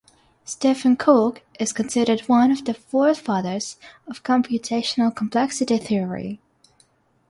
Stephen Cook is considered one of the forefathers of computational complexity theory.